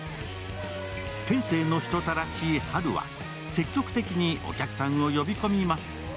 天性の人垂らし、ハルは積極的にお客さんを呼び込みます。